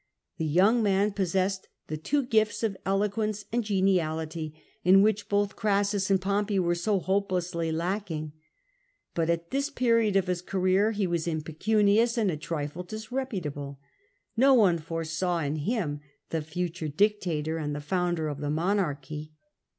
The young man possessed the two gifts of eloquence and geniality, in which both Orassus and Pompey were so hopelessly lacking. But at this period of his career he was impecunious and a trifle disreputable ; no one foresaw in him the future dictator and the founder of the monarchy.